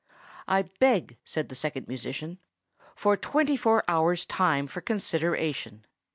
"I beg," said the Second Musician, "for twenty four hours' time for consideration.